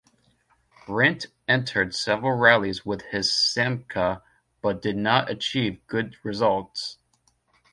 Rindt entered several rallies with his Simca but did not achieve good results.